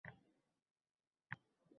Mag'rur Mourino Angliyaga qaytadi